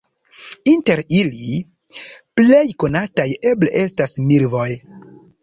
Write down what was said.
Inter ili plej konataj eble estas milvoj.